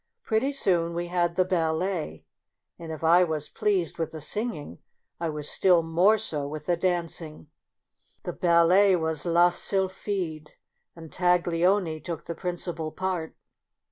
Pretty soon we had the ballet, and if I was pleased with the singing I was still more so with the danc ing. The ballet was " La Sylphide," and Taglioni took the principal part.